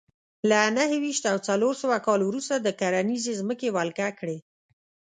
له نهه ویشت او څلور سوه کال وروسته د کرنیزې ځمکې ولکه کړې